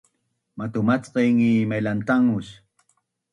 Matumacqeng is mailantangus